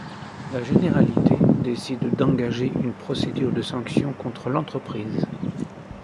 La Généralité décide d'engager une procédure de sanction contre l'entreprise.